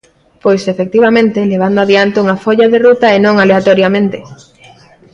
Pois, efectivamente, levando adiante unha folla de ruta e non aleatoriamente.